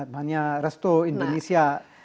banyak resto indonesia